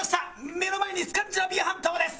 目の前にスカンディナビア半島です！